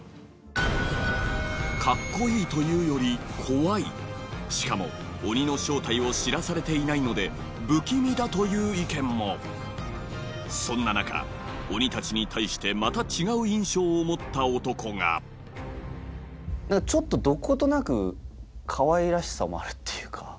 カッコいいというより怖いしかも鬼の正体を知らされていないので不気味だという意見もそんな中鬼たちに対してまた違う印象を持った男がちょっとどことなくかわいらしさもあるっていうか。